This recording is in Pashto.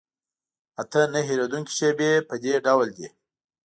اته نه هېرېدونکي شیبې په دې ډول دي.